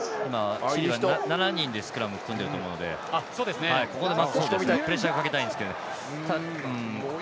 ７人でスクラム組んでると思うのでここでプレッシャーかけたいんですけど。